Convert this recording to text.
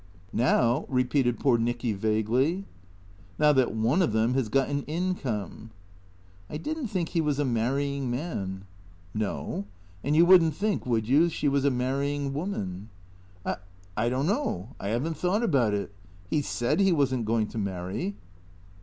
" Now ?" repeated poor Nicky vaguely. " Now that one of them has got an income." " I did n't think he was a marrying man." " No. And you would n't think, would you, she was a mar rying woman ?" "I — I don't know. I haven't thought about it. He said he was n't going to marry."